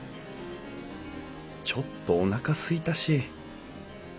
ちょっとおなかすいたし。